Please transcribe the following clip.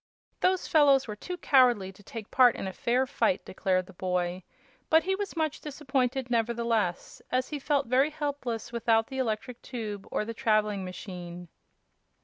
"Those fellows were too cowardly to take part in a fair fight," declared the boy; but he was much disappointed, nevertheless, as he felt very helpless without the electric tube or the traveling machine.